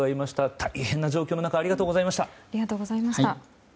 大変な状況の中ありがとうございました。